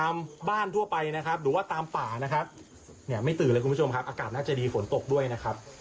ไม่ตื่นเลยคุณผู้ชมครับอากาศน่าจะดีฝนตกด้วยนะครับ